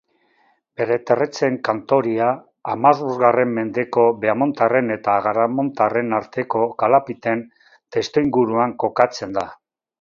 Bereterretxen Khantoria hamabostgarren mendeko Beaumontarren eta Agaramontarren arteko kalapiten testuinguruan kokatzen da.